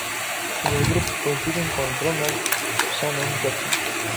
En el grupo, coincide con Ronald Shannon Jackson.